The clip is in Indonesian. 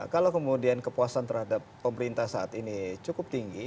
kalau kemudian kepuasan terhadap pemerintah saat ini cukup tinggi